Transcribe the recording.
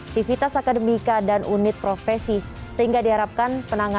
dan juga dari pemerintah pemerintah